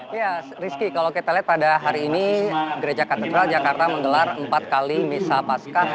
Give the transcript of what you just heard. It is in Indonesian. ya rizky kalau kita lihat pada hari ini gereja katedral jakarta menggelar empat kali misa pasca